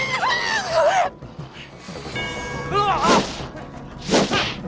lompat ke jurang